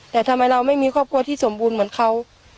แต่ทำไมเราไม่มีครอบครัวที่สมบูรณ์เหมือนเขา